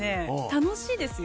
楽しいですよ。